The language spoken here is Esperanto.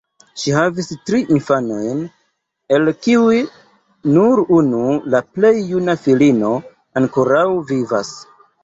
Ŝi havis tri infanojn, el kiuj nur unu, la plej juna filino, ankoraŭ vivas.